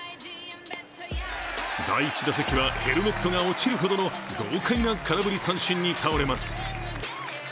第１打席はヘルメットが落ちるほどの豪快な空振り三振に倒れます。